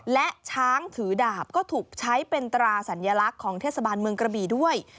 และช้างถือดาบก็ถูกใช้เป็นตราสัญลักษณ์ของเทศบาลเมืองกระบี่ด้วย